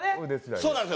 そうなんですよ。